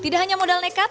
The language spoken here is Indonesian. tidak hanya modal nekat